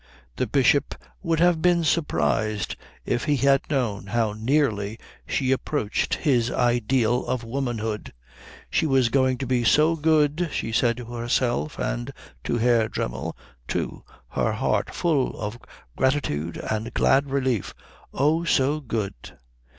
The Bishop would have been surprised if he had known how nearly she approached his ideal of womanhood. She was going to be so good, she said to herself and to Herr Dremmel, too, her heart full of gratitude and glad relief oh, so good!